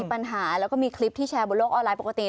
ปัญหาแล้วก็มีคลิปที่แชร์บนโลกออนไลน์ปกติ